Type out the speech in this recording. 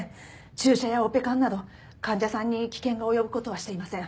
注射やオペ看など患者さんに危険が及ぶ事はしていません。